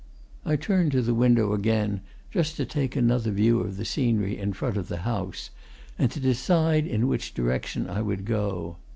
I turned to the window again, just to take another view of the scenery in front of the house, and to decide in which direction I would go.